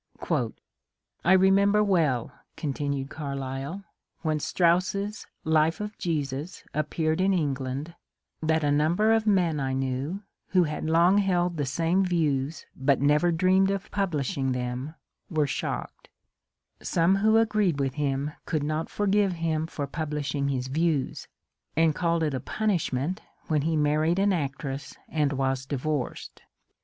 ^ ^^I remember well," continued Carlyle, *^ when Strauss's Life of Jesus appeared in England that a number of men I knew, who had long held the same views but never dreamed of publishing them, were shocked ; some who agreed with him could not forgive him for publish ing his views, and caUed it a punishment when he married an actress and was divorced."